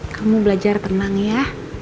kamu belajar tenang ya